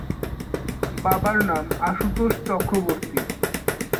বাবার নাম আশুতোষ চক্রবর্তী।